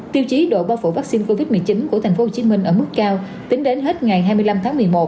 tiêu chí độ bao phủ vaccine covid một mươi chín của tp hcm ở mức cao tính đến hết ngày hai mươi năm tháng một mươi một